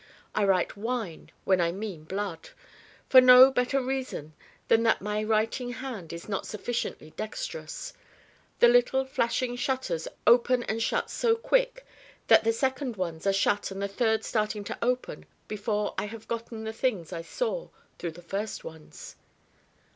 I write Wine when I mean Blood. For no better reason than that my writing hand is not sufficiently dexterous: the little flashing shutters open and shut so quick that the second ones are shut and the third starting to open before I have got written the things I saw through the first ones.